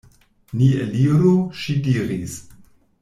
Ni eliru, ŝi diris.